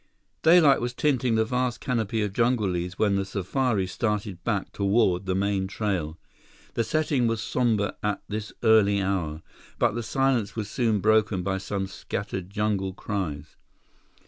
Daylight was tinting the vast canopy of jungle leaves when the safari started back toward the main trail. The setting was somber at this early hour, but the silence was soon broken by some scattered jungle cries.